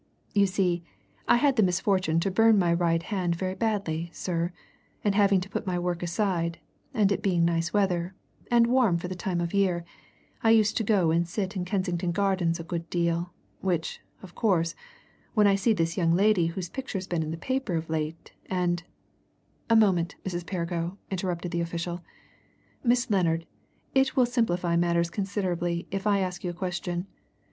"You see, I had the misfortune to burn my right hand very badly, sir, and having to put my work aside, and it being nice weather, and warm for the time of year, I used to go and sit in Kensington Gardens a good deal, which, of course, was when I see this young lady whose picture's been in the paper of late, and " "A moment, Mrs. Perrigo," interrupted the official. "Miss Lennard, it will simplify matters considerably if I ask you a question.